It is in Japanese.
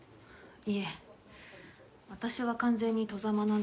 いえ私は完全に外様なんです。